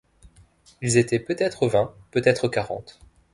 Ils étaient peut-être vingt, peut-être quarante.